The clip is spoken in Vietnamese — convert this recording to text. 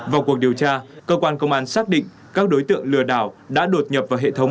vào cuộc điều tra cơ quan công an xác định các đối tượng lừa đảo đã đột nhập vào hệ thống